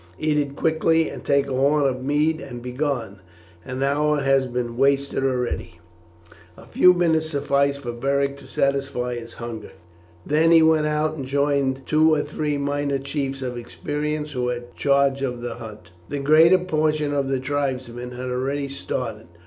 Eat it quickly, and take a horn of mead, and be gone. An hour has been wasted already." A few minutes sufficed for Beric to satisfy his hunger. Then he went out and joined two or three minor chiefs of experience who had charge of the hunt. The greater portion of the tribesmen had already started.